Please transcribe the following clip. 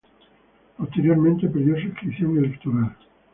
Posteriormente perdió su inscripción electoral.